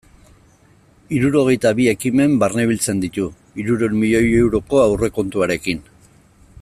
Hirurogeita bi ekimen barnebiltzen ditu, hirurehun milioi euroko aurrekontuarekin.